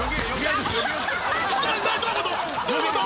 どういうこと？